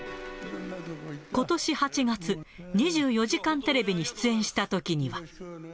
ことし８月、２４時間テレビに出演したときには。